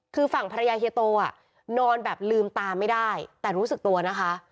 คือฝั่งภรรยาเฮียโตอ่ะนอนแบบลืมตาไม่ได้แต่รู้สึกตัวนะคะ